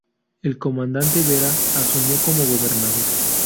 El comandante Vera asumió como gobernador.